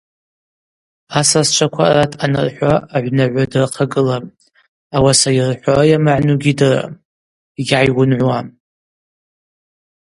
Асасчваква арат анырхӏвауа агӏвнагӏвы дырхъагылапӏ, ауаса йырхӏвауа йамагӏну гьидырам, йгьгӏайгвынгӏвуам.